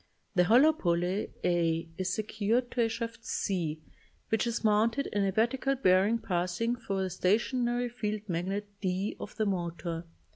The hollow pulley a is secured to a shaft c which is mounted in a vertical bearing passing thru the stationary field magnet d of the motor.